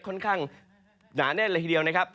ค่อนข้างหนาได้ละทีเดียวนะครับ